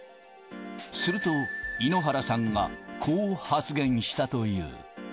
すると、井ノ原さんがこう発言したという。